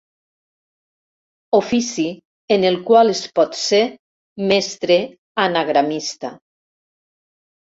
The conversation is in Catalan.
Ofici en el qual es pot ser mestre anagramista.